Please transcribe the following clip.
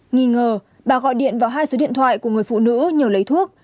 nghi ngờ bà gọi điện vào hai số điện thoại của người phụ nữ nhờ lấy thuốc